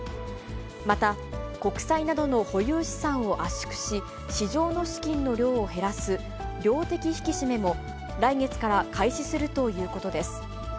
また国債などの保有資産を圧縮し、市場の資金の量を減らす量的引き締めも来月から開始するということです。